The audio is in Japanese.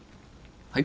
はい？